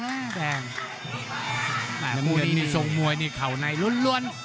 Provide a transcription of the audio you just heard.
มันใกล้ทุกคนเหมือนซงมวยเค้านายล้วน